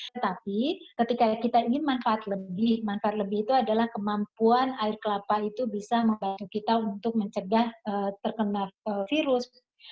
tetapi ketika kita ingin manfaat lebih manfaat lebih itu adalah kemampuan air kelapa itu bisa membantu kita untuk mencegah terkena virus